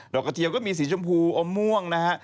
กระเทียมก็มีสีชมพูอมม่วงนะฮะ